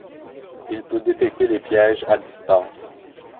Il peut détecter les pièges à distance.